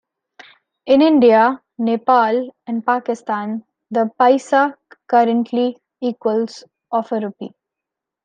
In India, Nepal and Pakistan, the "paisa" currently equals of a rupee.